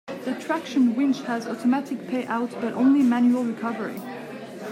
The traction winch has automatic payout but only manual recovery.